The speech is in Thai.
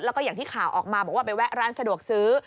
แล้วก็อย่างที่ข่าวออกมาบอกว่าไปแวะร้านสะดวกซื้อ